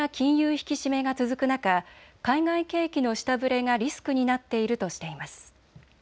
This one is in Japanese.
引き締めが続く中、海外景気の下振れがリスクになっているとしています。